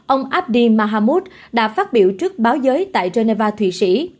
ông abdi mahamud đã phát biểu trước báo giới tại geneva thụy sĩ